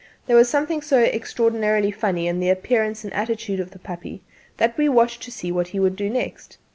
There was something so extraordinarily funny in the appearance and attitude of the puppy that we watched to see what he would do next.